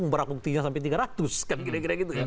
barang buktinya sampai tiga ratus